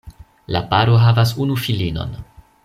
La paro havas unu filinon.